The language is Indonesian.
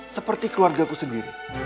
seperti keluargaku sendiri